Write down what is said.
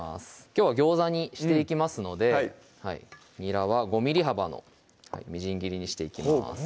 きょうはギョーザにしていきますのでにらは５ｍｍ幅のみじん切りにしていきます